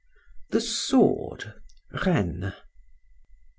THE SWORD. RENNES.